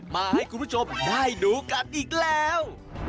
มาให้คุณผู้ชมได้ดูกันอีกแล้ว